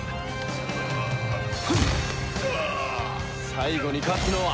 最後に勝つのは。